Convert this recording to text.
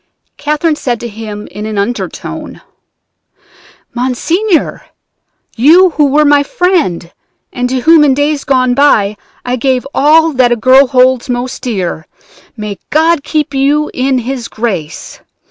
Catherine said to him in an undertone: "'Monseigneur, you who were my friend, and to whom in days gone by I gave all that a girl holds most dear, may God keep you in His grace!